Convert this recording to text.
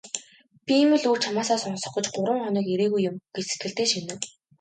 "Би ийм л үг чамаасаа сонсох гэж гурав хоног ирээгүй юм" гэж сэтгэлдээ шивнэв.